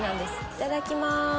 いただきます。